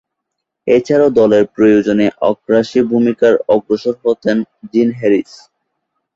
এছাড়াও দলের প্রয়োজনে আগ্রাসী ভূমিকায় অগ্রসর হতেন জিন হ্যারিস।